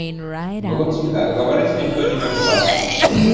Было ціха, гаварыць ніхто не меў часу.